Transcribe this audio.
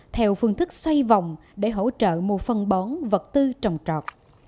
theo phương thức xoay vòng để hỗ trợ mua phân bón vật tư trồng trọt